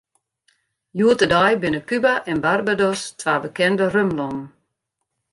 Hjoed-de-dei binne Kuba en Barbados twa bekende rumlannen.